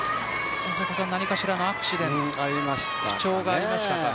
何かしらのアクシデント不調がありましたかね。